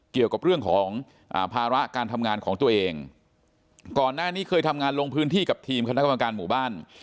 เกี่ยวกับเรื่องของภาระการทำงานของตัวเองก่อนหน้านี้เคยทำงานลงพื้นที่กับทีมคณะกรรมการหมู่บ้าน